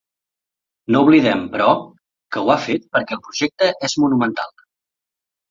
No oblidem, però, que ho ha fet perquè el projecte és monumental.